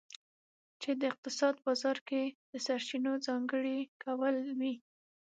چې د اقتصاد بازار کې د سرچینو ځانګړي کول وي.